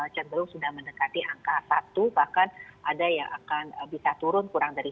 cenderung sudah mendekati angka satu bahkan ada yang akan bisa turun kurang dari satu